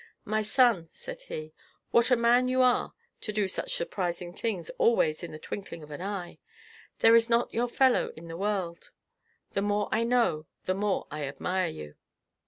"My son," said he, "what a man you are to do such surprising things always in the twinkling of an eye! There is not your fellow in the world; the more I know, the more I admire you."